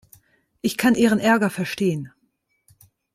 Ich kann Ihren Ärger verstehen.